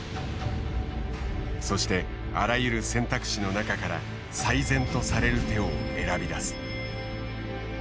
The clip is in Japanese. そしてあらゆる選択肢の中から最善とされる手を選び出す。